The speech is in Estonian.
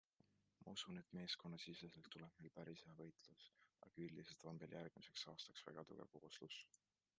Ma usun, et meeskonnasiseselt tuleb meil päris hea võitlus, aga üldiselt on meil järgmiseks aastaks väga tugev kooslus.